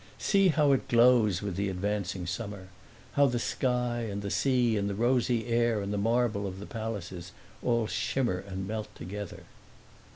See how it glows with the advancing summer; how the sky and the sea and the rosy air and the marble of the palaces all shimmer and melt together."